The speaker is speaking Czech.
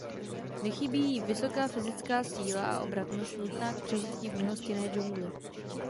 Nechybí ji vysoká fyzická síla a obratnost nutná k přežití v nehostinné džungli.